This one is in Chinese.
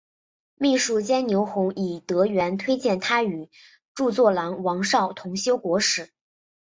秘书监牛弘以德源推荐他与着作郎王邵同修国史。